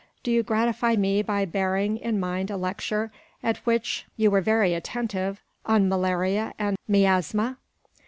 Do you gratify me by bearing in mind a lecture, at which you were very attentive, on Malaria and Miasma?"